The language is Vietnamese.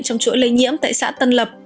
trong chuỗi lây nhiễm tại xã tân lập